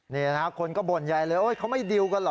เนี่ยนะคนก็บ่นใหญ่เลยเขาไม่ดิวกันเหรอ